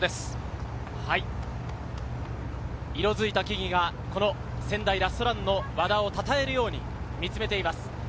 色づいた木々が仙台ラストランの和田をたたえるように見つめています。